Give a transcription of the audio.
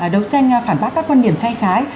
đấu tranh phản bác các quan điểm sai trái